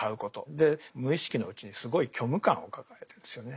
で無意識のうちにすごい虚無感を抱えてるんですよね。